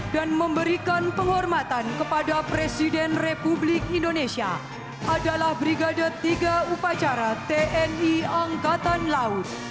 dan memberikan penghormatan kepada presiden republik indonesia adalah brigada tiga upacara tni angkatan laut